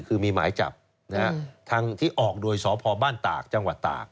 คือมีหมายจับทางที่ออกโดยสพบ้านตากจังหวัดตาก